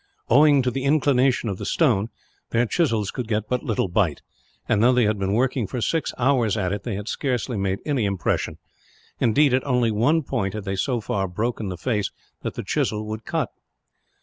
Owing to the inclination of the stone, their chisels could get but little bite and, though they had been working for six hours at it, they had scarcely made any impression; indeed, at only one point had they so far broken the face that the chisel would cut.